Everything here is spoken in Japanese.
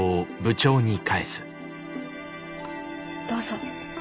どうぞ。